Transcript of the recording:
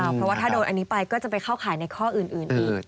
เพราะว่าถ้าโดนอันนี้ไปก็จะไปเข้าข่ายในข้ออื่นอีก